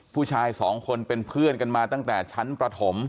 ผู้ชายสองคนเป็นเพื่อนกันมาตั้งแต่ชั้นประถม